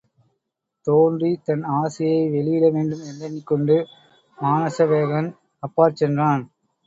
தோன்றித் தன் ஆசையை வெளியிட வேண்டும் என்றெண்ணிக் கொண்டு மானசவேகன் அப்பாற் சென்றான்.